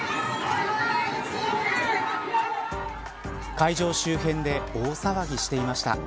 会場周辺で大騒ぎしていました。